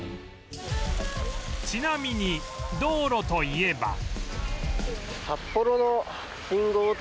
ちなみに道路といえば